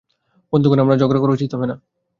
বন্ধুগণ, আমাদের ঝগড়া করা উচিত হবে না।